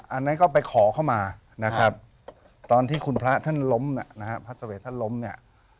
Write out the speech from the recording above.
อันนั้นก็ไปขอเข้ามานะครับตอนที่คุณพระท่านล้มนะฮะพระสเวทท่านล้มเนี่ย